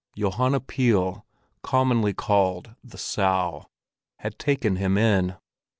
Johanna Pihl —commonly called the Sow—had taken him in.